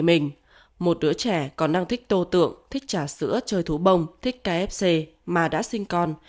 mình một đứa trẻ còn năng thích tô tượng thích trà sữa chơi thú bông thích mà đã sinh con